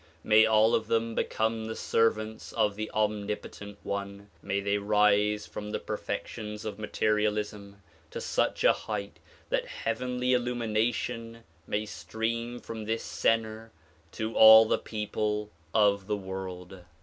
]\Iay all of them become the servants of the omnipotent One. INIay thej' rise from the perfec tions of materialism to such a height that heavenly illumination may stream from this center to all the people of the world.